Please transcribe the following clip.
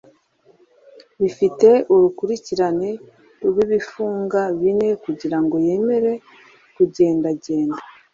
bifite urukurikirane rw'ibifunga bine kugirango yemere kugendagenda